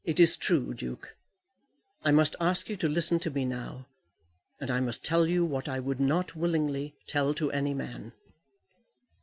"It is true, Duke. I must ask you to listen to me now, and I must tell you what I would not willingly tell to any man."